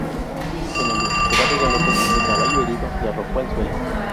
En el desesperado galope, su caballo, herido, le arrojó al suelo.